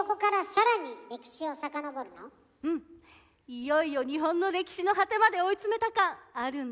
いよいよ日本の歴史の果てまで追い詰めた感あるんだけど。